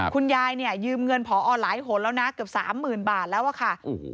คุณยายเนี่ยยืมเงินพอหลายหนแล้วนะเกือบสามหมื่นบาทแล้วอะค่ะ